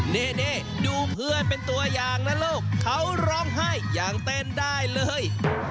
นี่ดูเพื่อนเป็นตัวอย่างนะลูกเขาร้องไห้อย่างเต้นได้เลย